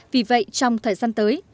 vì vậy trong thời gian tới